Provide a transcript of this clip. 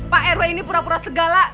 pak rw ini pura pura segala